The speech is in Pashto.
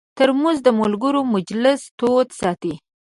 ترموز د ملګرو مجلس تود ساتي.